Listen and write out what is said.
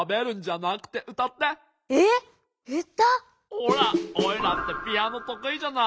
ほらオイラってピアノとくいじゃない？